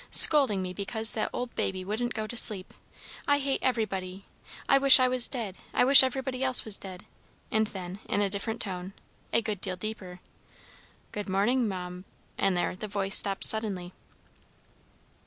Scolding me because that old baby wouldn't go to sleep! I hate everybody! I wish I was dead! I wish everybody else was dead!" And then, in a different tone, a good deal deeper, "Good morning, ma m " and there the voice stopped suddenly.